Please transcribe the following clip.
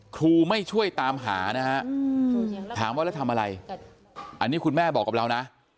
ครูไม่ช่วยตามหานะฮะถามว่าแล้วทำอะไรอันนี้คุณแม่บอกกับเรานะ